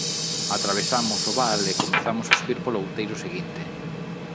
Atravesamos o val e comezamos a subir polo outeiro seguinte.